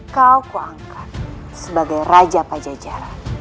kau kuangkat sebagai raja pencejaran